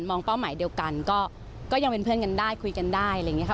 เป้าหมายเดียวกันก็ยังเป็นเพื่อนกันได้คุยกันได้อะไรอย่างนี้ค่ะ